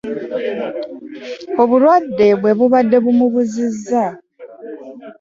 Obulwadde bwe bubadde bumubuzizza.